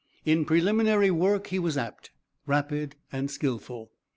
In preliminary work he was apt, rapid and skillful.